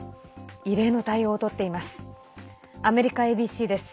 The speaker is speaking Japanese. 異例の対応をとっています。